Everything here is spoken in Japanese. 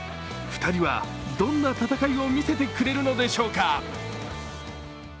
２人はどんな戦いを見せてくれるのでしょうか。